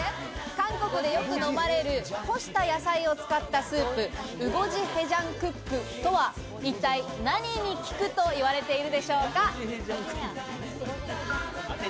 韓国でよく飲まれる、干した野菜を使ったスープ、ウゴジヘジャンクックとは一体何に効くと言われているでしょうか？